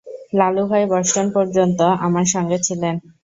Lalubhai Boston পর্যন্ত আমার সঙ্গে ছিলেন।